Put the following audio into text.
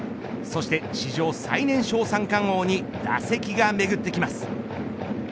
そして史上最年少三冠王に打席が巡ってきます。